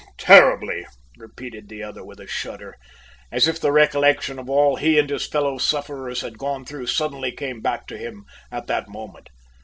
"Aye, terribly!" repeated the other with a shudder, as if the recollection of all he and his fellow sufferers had gone through suddenly came back to him at the moment.